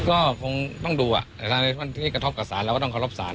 ก็คงต้องดูในส่วนที่กระทบกับสารเราต้องกระทบสาร